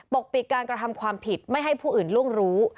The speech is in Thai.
กปิดการกระทำความผิดไม่ให้ผู้อื่นล่วงรู้